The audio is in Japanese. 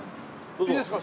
いいですか？